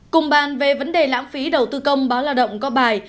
cùng bàn về vấn đề lãng phí đầu tư công báo lao động có bài